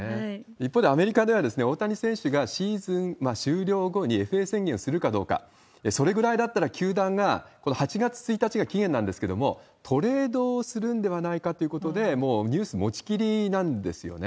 一方で、アメリカでは大谷選手がシーズン終了後にＦＡ宣言をするかどうか、それぐらいだったら球団が、この８月１日が期限なんですけども、トレードをするんではないかっていうことで、もうニュース持ちきりなんですよね。